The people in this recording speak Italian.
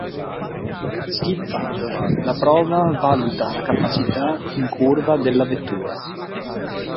Skid-Pad: La prova valuta la capacità in curva della vettura.